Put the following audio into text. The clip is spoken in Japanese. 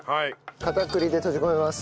片栗で閉じ込めます。